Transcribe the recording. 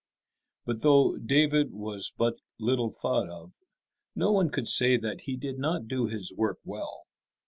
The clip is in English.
But though David was but little thought of, no one could say that he did not do his work well.